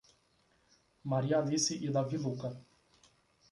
Maria Alice e Davi Lucca